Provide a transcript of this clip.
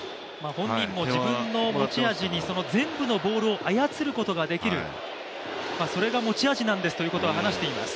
本人も自分の持ち味に全部のボールを操ることができる、それが持ち味なんですということは話しています。